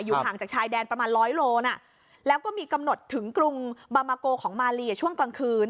ห่างจากชายแดนประมาณร้อยโลนะแล้วก็มีกำหนดถึงกรุงบามาโกของมาเลียช่วงกลางคืน